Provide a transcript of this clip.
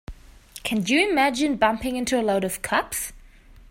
Can you imagine bumping into a load of cops?